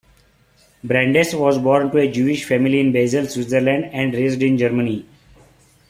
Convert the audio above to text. Brandes was born to a Jewish family in Basel, Switzerland and raised in Germany.